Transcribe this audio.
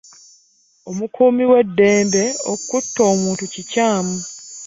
Omukuumi weddembe okutta omuntu kikyamu.